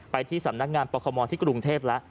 ไปที่สำนักงานปคมที่กรุงเทพแล้ว